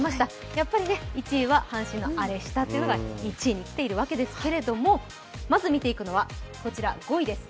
やっぱり１位は阪神がアレしたというのが来ているわけですけども、まず見ていくのは、５位です。